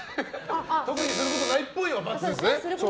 特にすることないっぽいは×ですね。